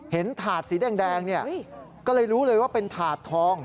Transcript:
เห็นถาดสีแดงก็เลยรู้เลยว่าเป็นถาดทอง